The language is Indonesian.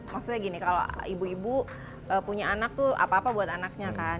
maksudnya gini kalau ibu ibu punya anak tuh apa apa buat anaknya kan